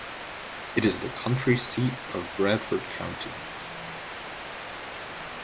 It is the county seat of Bradford County.